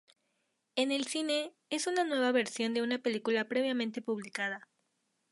En el cine, es una nueva versión de una película previamente publicada.